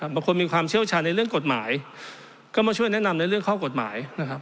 มีความเชี่ยวชาญในเรื่องกฎหมายก็มาช่วยแนะนำในเรื่องข้อกฎหมายนะครับ